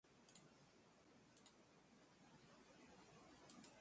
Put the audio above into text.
He gently patted me on the head, and I sat down.